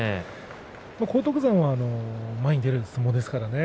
荒篤山は前に出る相撲ですからね。